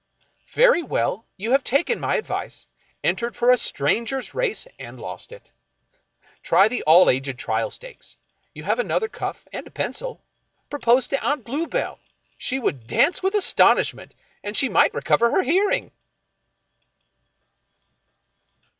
Very well ; you have taken my advice, entered for a Stranger's Race and lost it. Try the All aged Trial Stakes. You have another cuff, and a pencil. Propose to Aunt Bluebell; she would dance with astonishment, and she might recover her hearing."